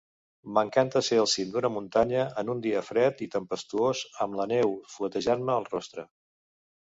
M'encanta ser al cim d'una muntanya en un dia fred i tempestuós amb la neu fuetejant-me el rostre.